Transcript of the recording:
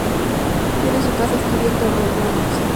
Tiene su casa estudio en Torrelodones.